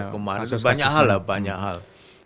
kemarin itu banyak hal lah banyak hal